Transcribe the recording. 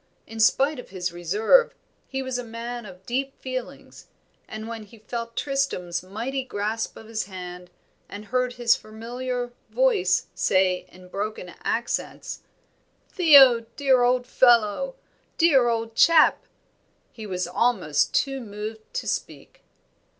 In spite of his reserve he was a man of deep feelings, and when he felt Tristram's mighty grasp of his hand, and heard his familiar voice say in broken accents, "Theo, dear old fellow! dear old chap!" he was almost too moved to speak.